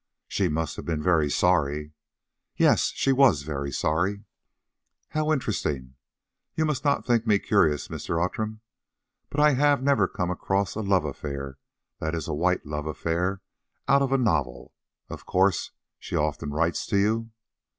"She must have been very sorry?" "Yes, she was very sorry." "How interesting! You must not think me curious, Mr. Outram, but I have never come across a love affair—that is a white love affair—out of a novel. Of course she often writes to you?"